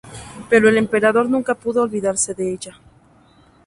Pero el emperador nunca pudo olvidarse de ella.